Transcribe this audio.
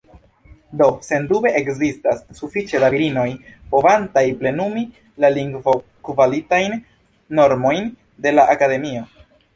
Do, sendube ekzistas ”sufiĉe da virinoj” povantaj plenumi la lingvokvalitajn normojn de la Akademio.